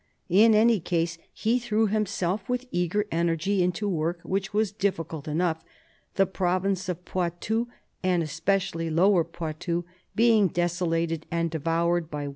In any case, he threw himself with eager energy into work which was difficult enough ; the province of Poitou, and especially Lower Poitou, being desolated and devoured by